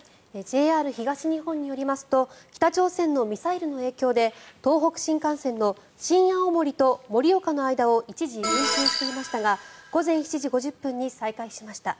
ＪＲ東日本によりますと北朝鮮のミサイルの影響で東北新幹線の新青森と盛岡の間を一時、運休していましたが午前７時５０分に再開しました。